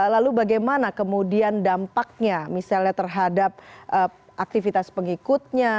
lalu bagaimana kemudian dampaknya misalnya terhadap aktivitas pengikutnya